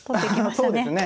そうですね。